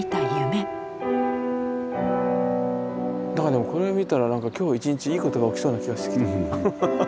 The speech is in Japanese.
何かでもこれを見たら今日一日いいことが起きそうな気がしてきた。